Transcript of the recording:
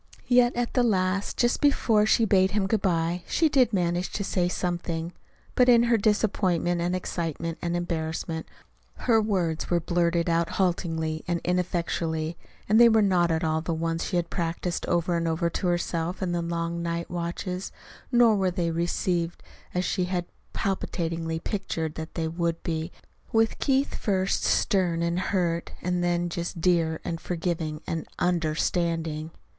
Yet at the last, just before she bade him good bye, she did manage to say something. But in her disappointment and excitement and embarrassment, her words were blurted out haltingly and ineffectually, and they were not at all the ones she had practiced over and over to herself in the long night watches; nor were they received as she had palpitatingly pictured that they would be, with Keith first stern and hurt, and then just dear and forgiving and UNDERSTANDING.